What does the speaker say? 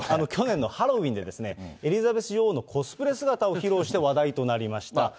去年のハロウィーンで、エリザベス女王のコスプレ姿を披露して話題になりました。